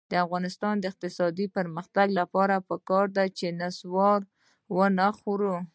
د افغانستان د اقتصادي پرمختګ لپاره پکار ده چې نصوار ونه خورئ.